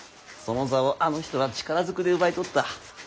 その座をあの人は力ずくで奪い取った。